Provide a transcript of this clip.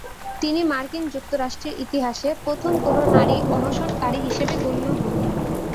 তিনি মার্কিন যুক্তরাষ্ট্রের ইতিহাসে প্রথম কোনো নারী অনশনকারী হিসেবে গণ্য হন।